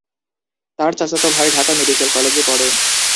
তার চাচাতো ভাই ঢাকা মেডিকেল কলেজে পড়ে।